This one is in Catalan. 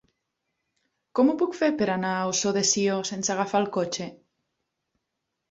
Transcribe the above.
Com ho puc fer per anar a Ossó de Sió sense agafar el cotxe?